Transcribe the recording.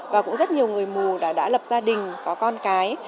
và cũng rất nhiều người mù đã lập gia đình có con cái